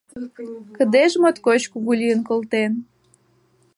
Кыдеж моткоч кугу лийын колтен.